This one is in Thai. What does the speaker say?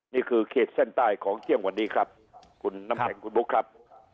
เขตเส้นใต้ของเที่ยงวันนี้ครับคุณน้ำแข็งคุณบุ๊คครับ